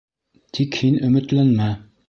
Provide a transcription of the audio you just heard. Тик һин өмөтләнмә!